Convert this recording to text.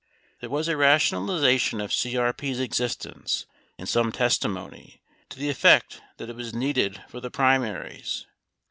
There was a rationalization of CRP's existence, in some testimony, to the effect that it was needed for the primaries.